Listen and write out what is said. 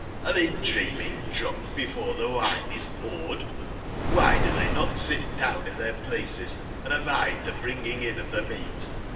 Hre tbey dreaming/drunk before tbe wine is poured ? <Hby do tbey not sit down in tbeir places, and abide tbe bringing in of tbe meat?